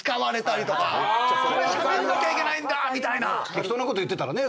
適当なこと言ってたらね